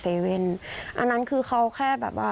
อันนั้นคือเขาแค่แบบว่า